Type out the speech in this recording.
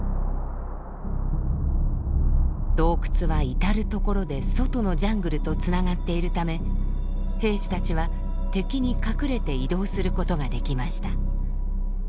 洞窟は至る所で外のジャングルとつながっているため兵士たちは敵に隠れて移動することができました。